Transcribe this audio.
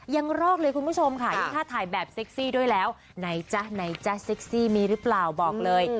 ยังรอกเลยคุณผู้ชมค่ะยิ่งถ้าถ่ายแบบเซ็กซี่ด้วยแล้วไหนจ๊ะไหนจ๊ะเซ็กซี่มีหรือเปล่าบอกเลย